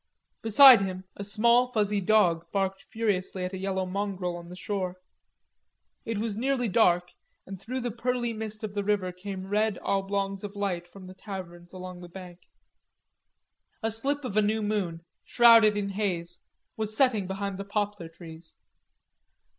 Beside him, a small fuzzy dog barked furiously at a yellow mongrel on the shore. It was nearly dark, and through the pearly mist of the river came red oblongs of light from the taverns along the bank. A slip of a new moon, shrouded in haze, was setting behind the poplar trees.